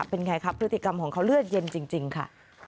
เป็นไงครับพฤติกรรมของเขาเลือดเย็นจริงค่ะ